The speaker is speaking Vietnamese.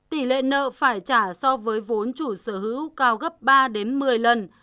tỷ lệ nợ phải trả so với vốn chủ sở hữu cao gấp ba đến một mươi lần